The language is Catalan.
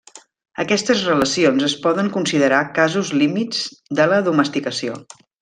Aquestes relacions es poden considerar casos límit de la domesticació.